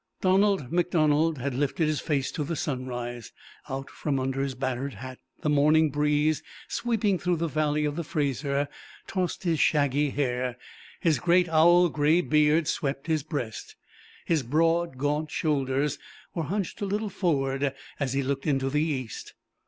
Donald MacDonald had lifted his face to the sunrise; out from under his battered hat the morning breeze sweeping through the valley of the Frazer tossed his shaggy hair; his great owl gray beard swept his breast; his broad, gaunt shoulders were hunched a little forward as he looked into the east.